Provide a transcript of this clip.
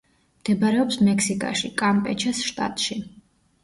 მდებარეობს მექსიკაში, კამპეჩეს შტატში.